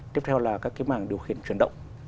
tiếp theo là các mảng điều khiển chuyển động